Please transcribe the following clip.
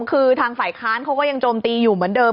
คือทางฝ่ายค้านเขาก็ยังโจมตีอยู่เหมือนเดิม